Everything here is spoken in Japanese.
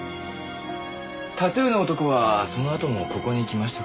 タトゥーの男はそのあともここに来ましたか？